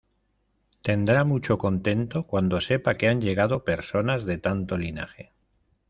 tendrá mucho contento cuando sepa que han llegado personas de tanto linaje: